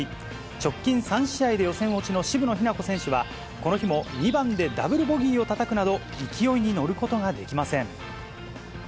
直近３試合で予選落ちの渋野日向子選手は、この日も２番でダブルボギーをたたくなど、勢いに乗ることができません。